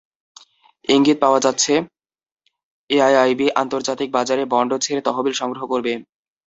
ইঙ্গিত পাওয়া যাচ্ছে, এআইআইবি আন্তর্জাতিক বাজারে বন্ড ছেড়ে তহবিল সংগ্রহ করবে।